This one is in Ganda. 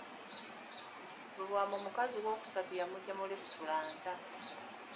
Lubwama omukazi owookusatu yamugya mu lesitulanta.